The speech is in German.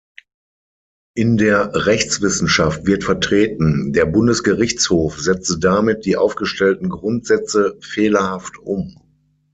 In der Rechtswissenschaft wird vertreten, der Bundesgerichtshof setze damit die aufgestellten Grundsätze fehlerhaft um.